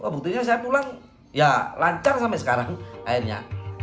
buktinya saya pulang ya lancar sampai sekarang airnya